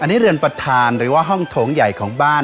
อันนี้เรือนประธานหรือว่าห้องโถงใหญ่ของบ้าน